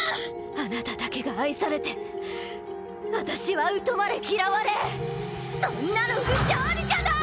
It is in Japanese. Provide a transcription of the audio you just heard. ⁉あなただけが愛されて私は疎まれ嫌われそんなの不条理じゃない！